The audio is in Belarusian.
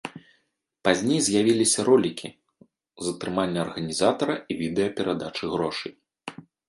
Пазней з'явіліся ролікі, затрымання арганізатара і відэа перадачы грошай.